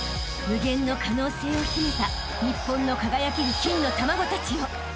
［無限の可能性を秘めた日本の輝ける金の卵たちよ］